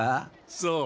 そう。